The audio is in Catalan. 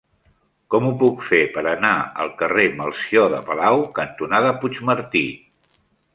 Com ho puc fer per anar al carrer Melcior de Palau cantonada Puigmartí?